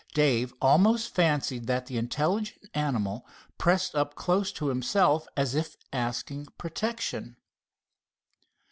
Dave almost fancied that the intelligent animal pressed up close to himself, as if asking protection.